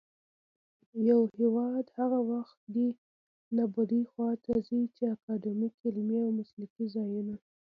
يـو هـېواد هغـه وخـت دې نـابـودۍ خـواته ځـي ،چـې اکـادميـک، عـلمـي او مـسلـکي ځـايـونــه